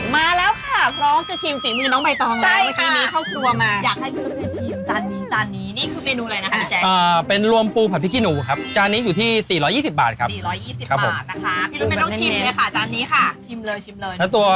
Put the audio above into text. มาแล้วค่ะพร้อมจะชิมสิมีน้องใบตองแล้ว